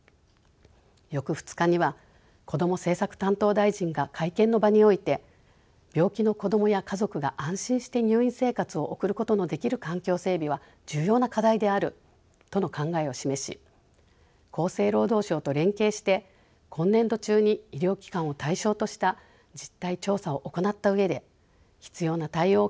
翌２日にはこども政策担当大臣が会見の場において病気の子どもや家族が安心して入院生活を送ることのできる環境整備は重要な課題であるとの考えを示し厚生労働省と連携して今年度中に医療機関を対象とした実態調査を行った上で必要な対応を検討することを表明しました。